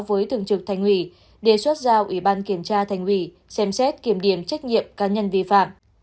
với thường trực thành ủy đề xuất giao ủy ban kiểm tra thành ủy xem xét kiểm điểm trách nhiệm cá nhân vi phạm